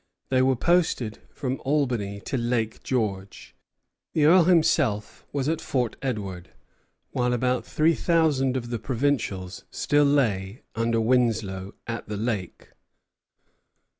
They were posted from Albany to Lake George. The Earl himself was at Fort Edward, while about three thousand of the provincials still lay, under Winslow, at the lake.